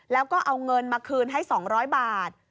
แล้วก็เอาเงินมาคืนให้๒๐๐บาท